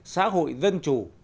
xã hội dân chủ